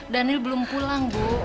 daniel belum pulang bu